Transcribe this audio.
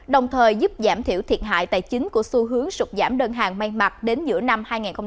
đồng thời giúp giảm thiểu thiệt hại tài chính của xu hướng sụp giảm đơn hàng may mặt đến giữa năm hai nghìn hai mươi